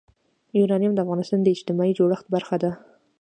یورانیم د افغانستان د اجتماعي جوړښت برخه ده.